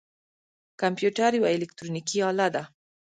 کمپیوټر یوه الکترونیکی آله ده